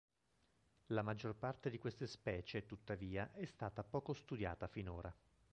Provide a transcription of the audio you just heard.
La maggior parte di queste specie, tuttavia, è stata poco studiata finora.